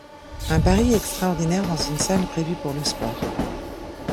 Un pari extraordinaire dans une salle prévue pour le sport.